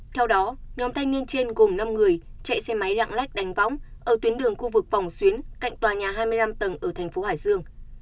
theo đó nhóm thanh niên trên gồm năm người chạy xe máy lạng lách đánh võng ở tuyến đường khu vực vòng xuyến cạnh tòa nhà hai mươi năm tầng ở thành phố hải dương